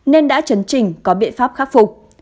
nên đã chấn trình có biện pháp khắc phục